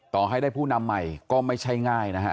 ต่อให้ได้ผู้นำใหม่ก็ไม่ใช่ง่ายนะฮะ